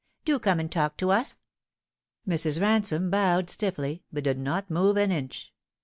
" Do come and talk to us ?" Mrs. Bansome bowed stiffly, but did not move an inch.